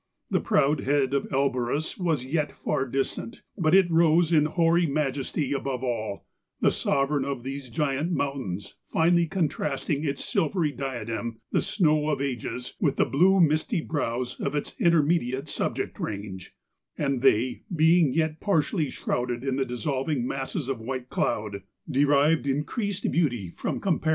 The proud head of Elborus was yet far distant; but it rose in hoary majesty above all, the sovereign of these giant mountains flnely contrasting its silvery diadem, the snow of ages, with the blue misty brows of its intermediate subject range; and they, being yet partially shrouded in the dissolving masses of white cloud, derived increased beauty from compari MOUNT ELBUKZ.